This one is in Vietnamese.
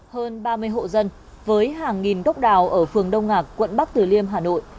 hơn ba mươi hộ dân với hàng nghìn gốc đào ở phường đông ngạc quận bắc tử liêm hà nội